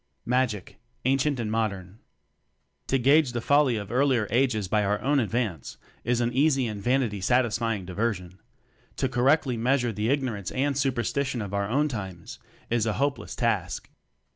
Magic Ancient and Modern. To gage the folly of earlier ages by our own advance is an easy and vanity satisfying diversion; to correct ly measure the ignorance and super stition of our own times is a hopeless task.